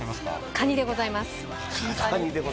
かにでございます。